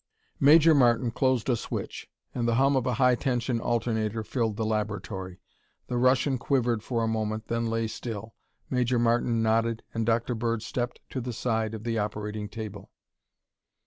Major Martin closed a switch, and the hum of a high tension alternator filled the laboratory. The Russian quivered for a moment and then lay still. Major Martin nodded and Dr. Bird stepped to the side of the operating table.